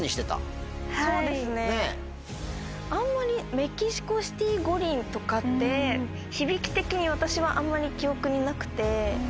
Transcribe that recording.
メキシコシティ五輪とかって響き的に私はあんまり記憶になくて。